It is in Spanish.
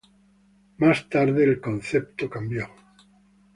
Más tarde el concepto cambió.